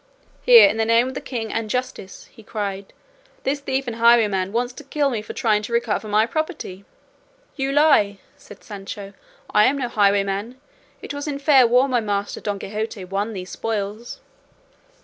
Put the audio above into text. "Here, in the name of the king and justice!" he cried, "this thief and highwayman wants to kill me for trying to recover my property." "You lie," said Sancho, "I am no highwayman; it was in fair war my master Don Quixote won these spoils."